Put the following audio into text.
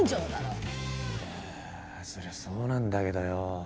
いやそりゃそうなんだけどよ。